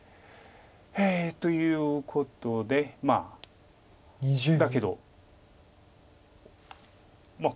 ということでだけどまあ